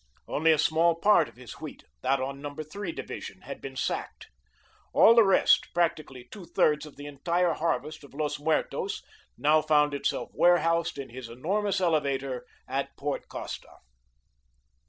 Only a small part of his wheat that on Number Three division had been sacked. All the rest, practically two thirds of the entire harvest of Los Muertos, now found itself warehoused in his enormous elevator at Port Costa.